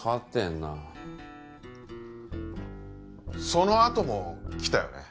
そのあとも来たよね？